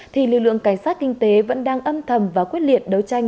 thì lực lượng cảnh sát kinh tế vẫn đang âm thầm và quyết liệt đấu tranh